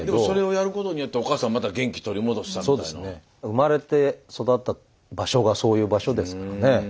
生まれて育った場所がそういう場所ですからね。